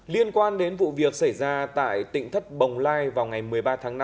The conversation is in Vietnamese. liên quan đến vụ việc xảy ra tại tỉnh thất bồng lai vào ngày một mươi ba tháng năm